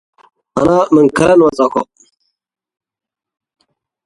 This is by no means the case at the present day.